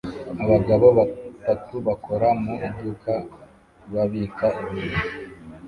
Abagabo batatu bakora mu iduka babika ibintu